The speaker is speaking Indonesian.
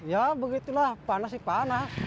ya begitulah panas sih panas